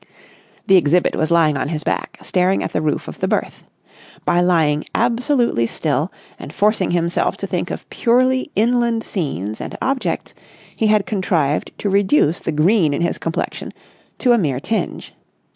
The exhibit was lying on his back, staring at the roof of the berth. By lying absolutely still and forcing himself to think of purely inland scenes and objects, he had contrived to reduce the green in his complexion to a mere tinge.